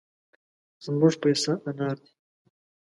زموږ پيسه انار دي.